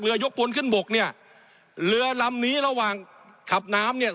ยกพลขึ้นบกเนี่ยเรือลำนี้ระหว่างขับน้ำเนี่ย